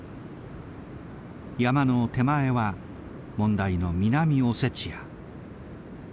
山の手前は問題の南オセチア。